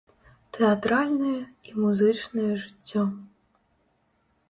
Тэатральнае і музычнае жыццё.